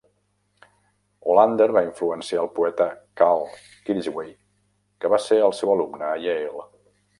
Hollander va influenciar el poeta Karl Kirchwey, que va ser el seu alumne a Yale.